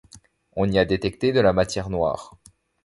On y a détecté de la matière noire.